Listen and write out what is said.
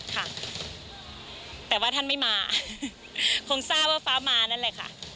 ค่ะแต่ว่าท่านไม่มาคงทราบว่าฟ้ามานั่นแหละค่ะ